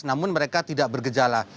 namun mereka tidak bergejala